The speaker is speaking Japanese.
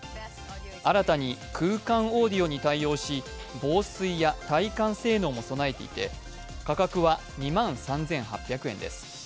新たに空間オーディオに対応し、防水や耐汗性能も備えていて価格は２万３８００円です。